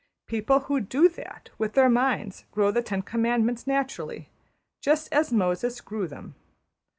People who do that with their minds grow the Ten Commandments naturally, just as Moses grew them.